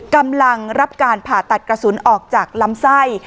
กำลังรับการผ่าตัดกระสุนออกจากลำไส้